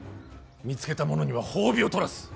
見つけた者には褒美を取らす。